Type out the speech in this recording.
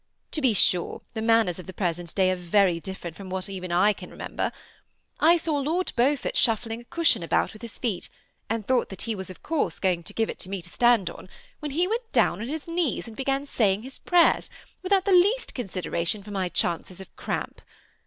To be sure, the manners of the present day are very different from what even I can remember. I saw Lord Beaufort shuffling a cushion about with his feet, and thought that he was of course going to ^ve it to me to stand on, when down he went on his knees,, and began saying his THE SEMI ATIACnED COUPLE. 51 prayers, without the least consideration for my chances of cramp.